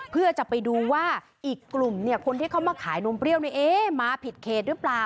เพื่อจะไปดูว่าอีกกลุ่มคนที่เขามาขายนมเปรี้ยวมาผิดเขตหรือเปล่า